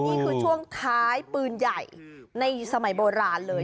นี่คือช่วงท้ายปืนใหญ่ในสมัยโบราณเลย